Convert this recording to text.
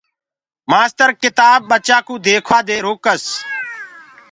مآستر ڪِتآب ٻچآ ڪوُ ديکوآ دي روڪس۔